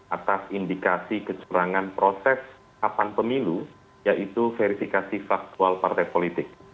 atas indikasi kecurangan proses kapan pemilu yaitu verifikasi faktual partai politik